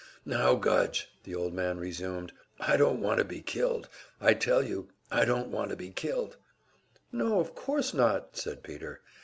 "Now, Gudge," the old man resumed. "I don't want to be killed; I tell you I don't want to be killed." "No, of course not," said Peter.